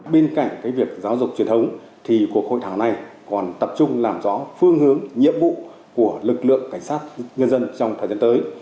bên cạnh việc giáo dục truyền thống thì cuộc hội thảo này còn tập trung làm rõ phương hướng nhiệm vụ của lực lượng cảnh sát nhân dân trong thời gian tới